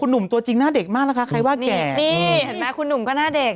หมอเมษตรทำให้ฟรีด้วย